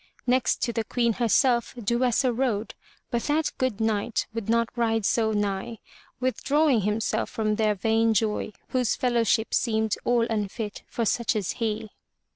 Next to the Queen herself Duessa rode, but that good Knight would not ride so nigh, with drawing himself from their vain joy, whose fellowship seemed all unfit for such as he.